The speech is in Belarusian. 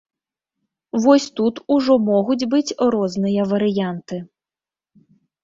Вось тут ужо могуць быць розныя варыянты.